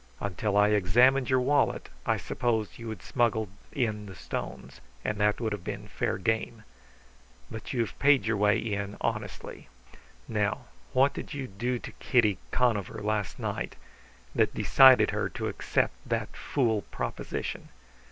Until I examined your wallet I supposed you had smuggled in the stones; and that would have been fair game. But you had paid your way in honestly. Now, what did you do to Kitty Conover last night that decided her to accept that fool proposition?